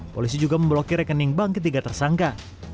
polisi juga memblokir rekening bank ketiga tersangka